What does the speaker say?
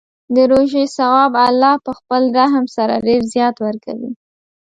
د روژې ثواب الله په خپل رحم سره ډېر زیات ورکوي.